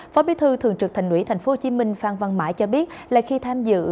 phó bí thư thường trực thành ủy tp hcm phan văn mãi cho biết là khi tham dự